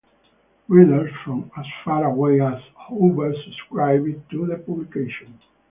Readers from as far away as Hobart subscribed to the publication.